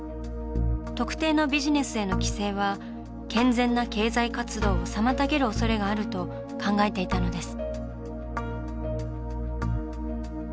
特定のビジネスへの規制は健全な経済活動を妨げるおそれがあると考えていたのです。